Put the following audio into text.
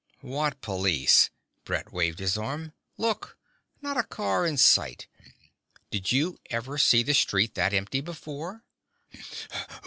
"What police?" Brett waved an arm. "Look. Not a car in sight. Did you ever see the street that empty before?"